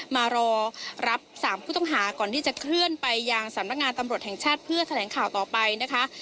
มารอรับ๓ผู้ต้องหาก่อนที่จะเคลื่อนไปยังสำนักงานตำรวจแห่งชาติเพื่อแถลงข่าวต่อไปนะคะ